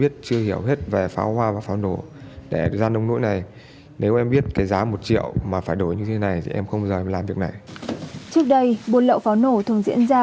trước đây buôn lậu pháo nổ thường diễn ra